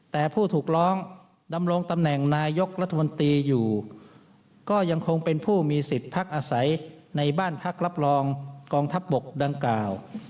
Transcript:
แต่ผู้ถูกร้องดำรงตำแหน่งนายกรัฐมนตรีอยู่ก็ยังคงเป็นผู้มีสิทธิ์พักอาศัยในบ้านพักรับรองกองทัพบกดังกล่าว